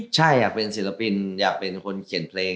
ใช่อยากเป็นศิลปินอยากเป็นคนเขียนเพลง